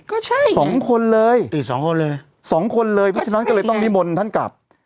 ก็ใช่สองคนเลยติดสองคนเลยสองคนเลยเพราะฉะนั้นก็เลยต้องนิมนต์ท่านกลับ